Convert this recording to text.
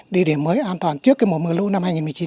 địa điểm mới an toàn trước mùa mưa lũ năm hai nghìn một mươi chín